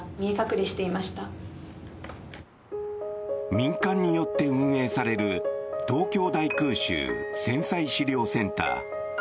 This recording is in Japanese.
民間によって運営される東京大空襲・戦災資料センター。